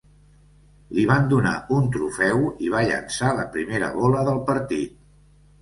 Li van donar un trofeu i va llançar la primera bola del partit.